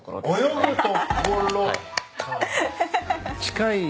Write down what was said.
泳ぐところか。